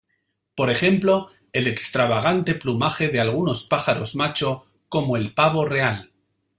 Por ejemplo, el extravagante plumaje de algunos pájaros macho como el pavo real.